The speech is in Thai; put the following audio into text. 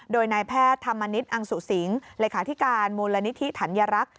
โดยนายแพทย์ธรรมนิตอังสุศิงร์หลักฐิการมูลนิธิฐัณยรักษ์